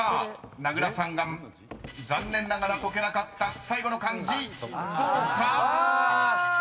［名倉さんが残念ながら解けなかった最後の漢字どうか？］